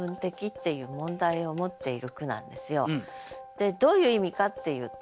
これもねどういう意味かっていうと